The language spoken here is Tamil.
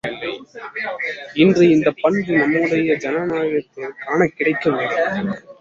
இன்று இந்தப் பண்பு நம்முடைய ஜனநாயகத்தில் காணக்கிடைக்கவில்லை.